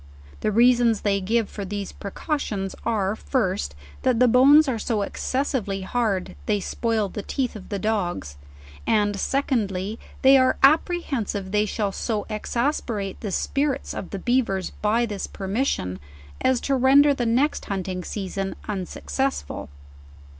The reasons they give for these precautions, are, first, that the bones are so exces sively hard,, they spoil the teeth of the dogs; and secondly, they are apprehensive they shall so exasperate the spirits of 70 JOURNAL OF the beavers by this permission, as to render the next hunting season unsuccessful.